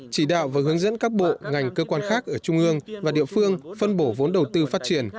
chỉ đạo và hướng dẫn các bộ ngành cơ quan khác ở trung ương và địa phương phân bổ vốn đầu tư phát triển